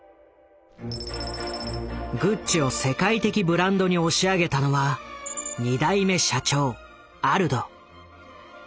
グッチを世界的ブランドに押し上げたのは２代目社長アルド。